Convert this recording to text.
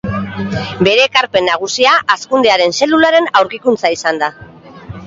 Bere ekarpen nagusia hazkundearen zelularen aurkikuntza izan da.